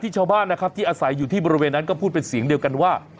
ชาวบ้านนะครับที่อาศัยอยู่ที่บริเวณนั้นก็พูดเป็นเสียงเดียวกันว่า